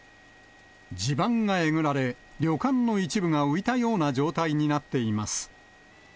地盤がえぐられ、旅館の一部が浮いたような状態になっています。